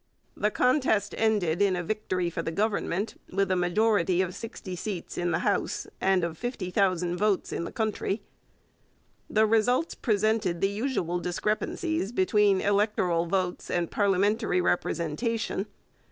The contest ended in a victory for the Government with a majority of sixty seats in the House and of fifty thousand votes in the country. The results presented the usual discrepancies between electoral votes and parliamentary representation.